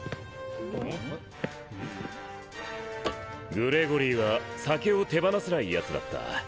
グレゴリーは酒を手放せない奴だった。